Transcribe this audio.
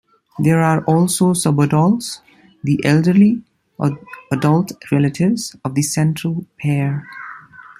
There are also subadults, the elderly, or adult relatives of the central pair.